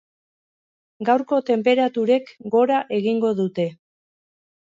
Gaurko tenperaturek gora egingo dute.